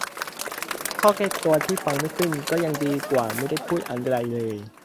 ข้อแก้ตัวที่ฟังไม่ขึ้นก็ยังดีกว่าไม่ได้พูดอะไรเลย